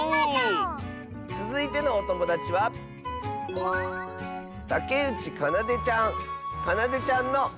つづいてのおともだちはかなでちゃんの。